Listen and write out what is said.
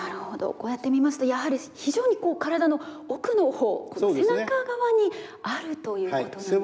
こうやって見ますとやはり非常に体の奥のほう背中側にあるということなんですね。